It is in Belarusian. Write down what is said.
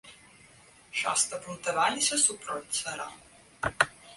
Часта бунтаваліся супроць цара.